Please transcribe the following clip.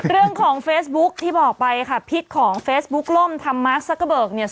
เรื่องของเฟซบุ๊คที่บอกไปค่ะพิษของเฟซบุ๊คล่มทำมาร์คซักเกอร์เบิกเนี่ย